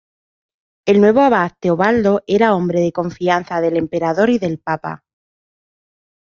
El nuevo abad, Teobaldo, era hombre de confianza del Emperador y del Papa.